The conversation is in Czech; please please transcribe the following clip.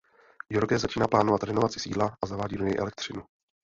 Jorge začíná plánovat renovaci sídla a zavádí do něj elektřinu.